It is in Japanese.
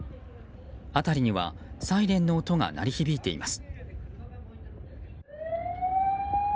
辺りにはサイレンの音が鳴り響いています。